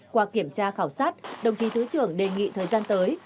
qua kiểm tra khảo sát đồng chí thứ trưởng đề nghị thời gian tới